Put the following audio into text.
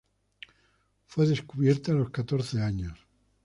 Fue descubierta a los catorce años.